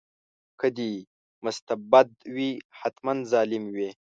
که دی مستبد وي حتماً ظالم وي.